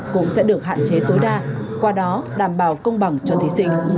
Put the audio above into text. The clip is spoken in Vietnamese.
cũng sẽ được hạn chế tối đa qua đó đảm bảo công bằng cho thí sinh